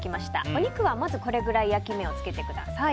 お肉はまず、これくらい焼き目をつけてください。